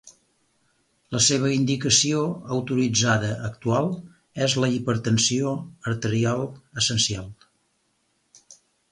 La seva indicació autoritzada actual és la hipertensió arterial essencial.